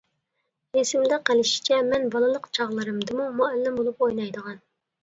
ئېسىمدە قېلىشىچە، مەن بالىلىق چاغلىرىمدىمۇ مۇئەللىم بولۇپ ئوينايدىغان.